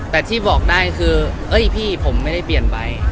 แต่ที่บอกได้คือเอ้ยพี่ผมไม่ได้เปลี่ยนไป